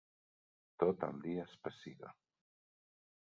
Tot el dia es pessiga.